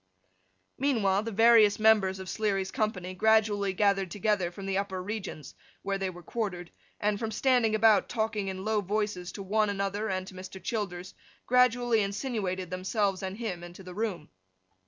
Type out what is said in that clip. Meanwhile, the various members of Sleary's company gradually gathered together from the upper regions, where they were quartered, and, from standing about, talking in low voices to one another and to Mr. Childers, gradually insinuated themselves and him into the room.